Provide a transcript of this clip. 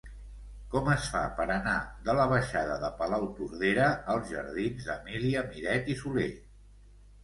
Com es fa per anar de la baixada de Palautordera als jardins d'Emília Miret i Soler?